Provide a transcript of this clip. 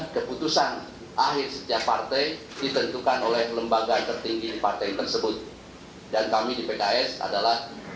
keputusan akhir setiap partai ditentukan oleh lembaga tertinggi partai tersebut dan kami di pks adalah